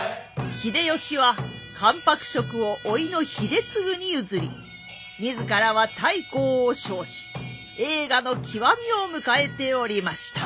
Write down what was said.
秀吉は関白職を甥の秀次に譲り自らは太閤を称し栄華の極みを迎えておりました。